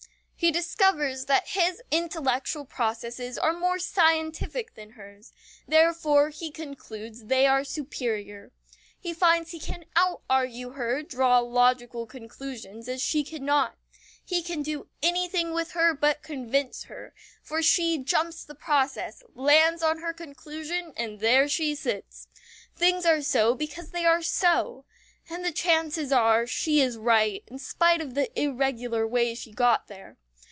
He discovers that his intellectual processes are more scientific than hers, therefore he concludes they are superior. He finds he can outargue her, draw logical conclusions as she cannot. He can do anything with her but convince her, for she jumps the process, lands on her conclusion, and there she sits. Things are so because they are so. And the chances are she is right, in spite of the irregular way she got there.